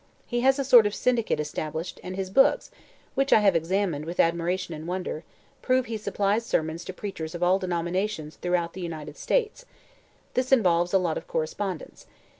He has a sort of syndicate established and his books, which I have examined with admiration and wonder, prove he supplies sermons to preachers of all denominations throughout the United States. This involves a lot of correspondence.